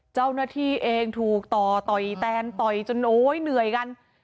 เจ้าหน้าที่เองถูกต่อต่อยแตนต่อยจนโอ๊ยเหนื่อยกัน